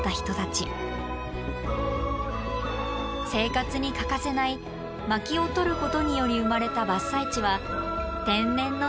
生活に欠かせないまきをとることにより生まれた伐採地は天然のスキー場。